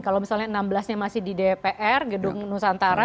kalau misalnya enam belas nya masih di dpr gedung nusantara